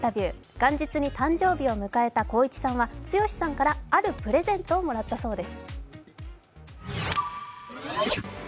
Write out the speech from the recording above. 元日に誕生日を迎えた光一さんは剛さんからあるプレゼントをもらったそうです。